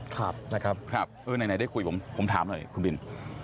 ครับนะครับเออไหนได้คุยผมผมถามหน่อยคุณบิน